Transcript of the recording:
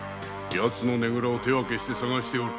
やつのねぐらを手分けして探しておる。